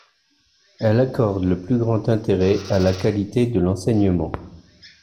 Elle accorde le plus grand intérêt à la qualité de l'enseignement.